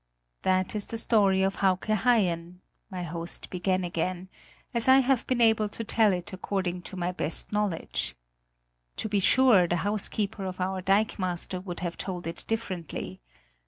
"That is the story of Hauke Haien," my host began again, "as I have been able to tell it according to my best knowledge. To be sure, the housekeeper of our dikemaster would have told it differently.